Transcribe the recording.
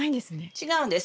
違うんです。